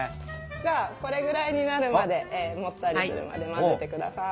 じゃあこれぐらいになるまでもったりするまで混ぜてください。